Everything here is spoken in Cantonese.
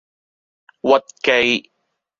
屈機